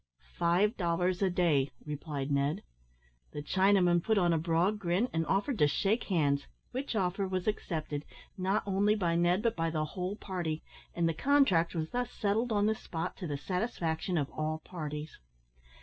"Five dollars a day," replied Ned. The Chinaman put on a broad grin, and offered to shake hands, which offer was accepted, not only by Ned, but by the whole party; and the contract was thus settled on the spot, to the satisfaction of all parties.